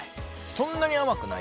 そんなに甘くないよね。